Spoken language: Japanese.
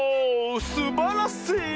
すばらしい！